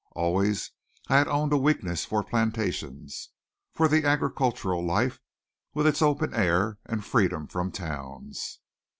Always I had owned a weakness for plantations, for the agricultural life with its open air and freedom from towns.